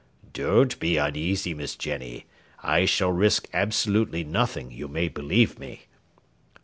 "Don't be uneasy, Miss Jenny, I shall risk absolutely nothing, you may believe me."